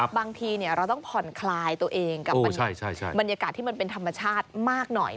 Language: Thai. บางทีเราต้องผ่อนคลายตัวเองกับบรรยากาศที่มันเป็นธรรมชาติมากหน่อย